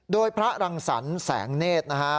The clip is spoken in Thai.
โดยพระรังสรรค์แสงเนธนะฮะ